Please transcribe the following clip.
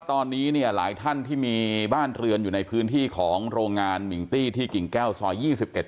อนปกติตอนนี้หลายทหารที่มีบ้านเรือนอยู่ที่โรงงานมิ่งตี้กิ่งแก้วซอย๒๑